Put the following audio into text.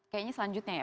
kayaknya selanjutnya ya